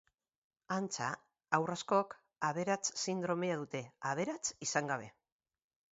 Antza, haur askok aberats sindromea dute aberats izan gabe.